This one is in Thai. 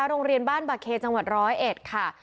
โรงเรียนบ้านบัคเคจังหวัด๑๐๑ค่ะ